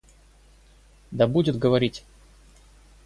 Да будет говорить!